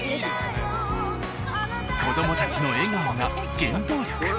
子どもたちの笑顔が原動力。